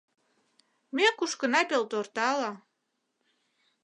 Ме кушкына пелтортала.